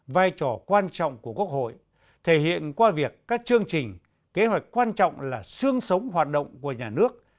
vai trò quan trọng của quốc hội thể hiện qua việc các chương trình kế hoạch quan trọng là sương sống hoạt động của nhà nước